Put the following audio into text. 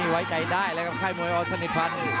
ไว้ใจได้กับไคร่มวยอสนิทฟัน